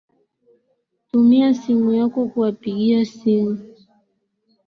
Tumia simu yako kuwapigia simu